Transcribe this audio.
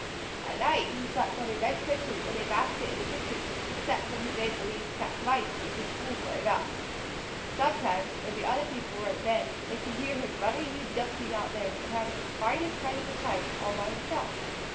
At night he slept on a red cushion in a basket in the kitchen, except when he made believe catch Mice with a spool for a Mouse. Sometimes, when the other people were in bed, they could hear him running and jumping out there and having the finest kind of a time all by himself.